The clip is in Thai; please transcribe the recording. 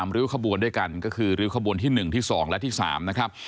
ริ้วขบวนด้วยกันก็คือริ้วขบวนที่๑ที่๒และที่๓นะครับ